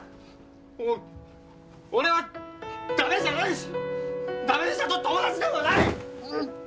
お俺はダメじゃないしダメ医者と友達でもない！